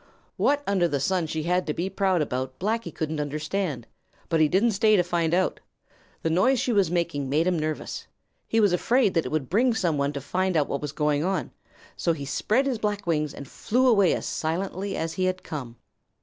What under the sun she had to be proud about Blacky couldn't understand, but he didn't stay to find out. The noise she was making made him nervous. He was afraid that it would bring some one to find out what was going on. So he spread his black wings and flew away as silently as he had come.